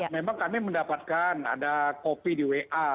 memang kami mendapatkan ada kopi di wa